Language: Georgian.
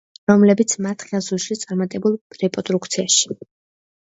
რომლებიც მათ ხელს უშლის წარმატებულ რეპროდუქციაში.